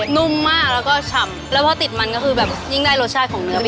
นุ่มมากแล้วก็ฉ่ำแล้วพอติดมันก็คือแบบยิ่งได้รสชาติของเนื้อมัน